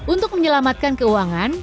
untuk menyelamatkan keuangan